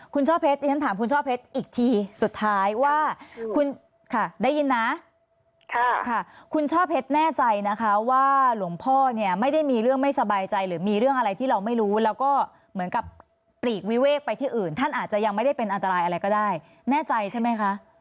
คุณช่อเพชรดิฉันถามคุณช่อเพชรอีกทีสุดท้ายว่าคุณค่ะได้ยินนะค่ะคุณช่อเพชรแน่ใจนะคะว่าหลวงพ่อเนี่ยไม่ได้มีเรื่องไม่สบายใจหรือมีเรื่องอะไรที่เราไม่รู้แล้วก็เหมือนกับปลีกวิเวกไปที่อื่นท่านอาจจะยังไม่ได้เป็นอันตรายอะไรก็ได้แน่ใจใช่ไหมคะ